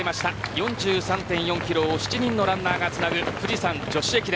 ４３．４キロを７人のランナーがつなぐ富士山女子駅伝。